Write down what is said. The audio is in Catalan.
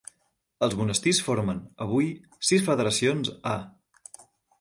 Els monestirs formen, avui, sis federacions a: